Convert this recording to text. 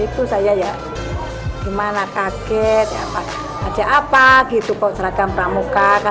itu saya ya gimana kaget aja apa gitu kok seragam pramuka